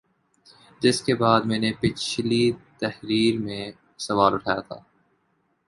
جس کے بعد میں نے پچھلی تحریر میں سوال اٹھایا تھا